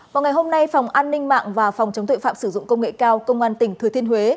vào ngày hôm nay phòng an ninh mạng và phòng chống tội phạm sử dụng công nghệ cao công an tỉnh thừa thiên huế